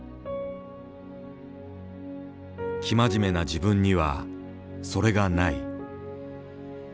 生真面目な自分にはそれがない。